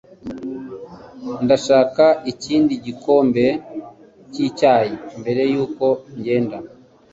Ndashaka ikindi gikombe cyicyayi mbere yuko ngenda.